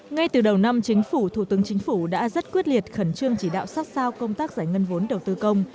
ngay từ đầu năm chính phủ thủ tướng chính phủ đã rất quyết liệt khẩn trương chỉ đạo sát sao công tác giải ngân vốn đầu tư công